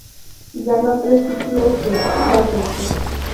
Ganó tres títulos de Challenger.